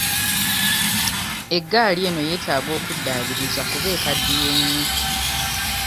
Eggaali eno yeetaaga kuddaabiriza kuba ekaddiye nnyo.